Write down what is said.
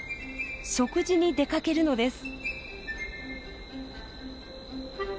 食事に出かけるのです。